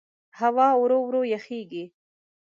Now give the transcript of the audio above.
هوا ورو ورو یخېږي.